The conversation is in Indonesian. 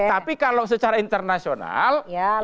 tapi kalau secara internasional